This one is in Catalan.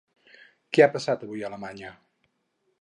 Què ha passat avui a Alemanya?